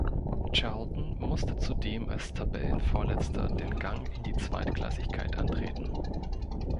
Charlton musste zudem als Tabellenvorletzter den Gang in die Zweitklassigkeit antreten.